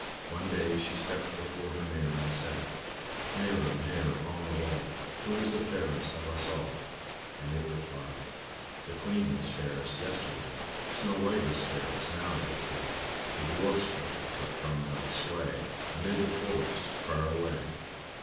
One day she stepped before her mirror, and said: "Mirror, mirror on the wall, Who is the fairest of us all?" and it replied: "The Queen was fairest yesterday; Snow White is fairest now, they say. The Dwarfs protect her from thy sway Amid the forest, far away."